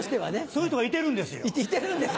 そういう人がいてるんですよ。